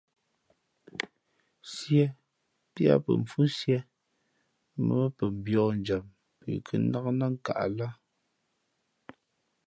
Sīē píá pαmfhʉ́síé mbᾱ mά pαmbíάnjam pʉ kά nák nά nkaʼ lά.